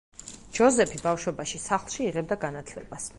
ჯოზეფი, ბავშვობაში, სახლში იღებდა განათლებას.